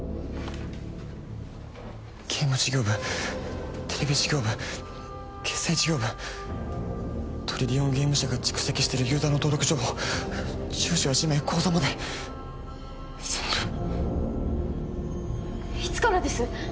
ゲーム事業部テレビ事業部決済事業部トリリオンゲーム社が蓄積してるユーザーの登録情報住所や氏名口座まで全部いつからです！？